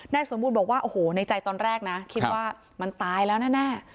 สมบูรณ์บอกว่าโอ้โหในใจตอนแรกนะคิดว่ามันตายแล้วแน่